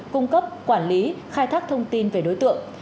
cung cấp quản lý khai thác thông tin về đối tượng